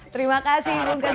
terima kasih bung kesit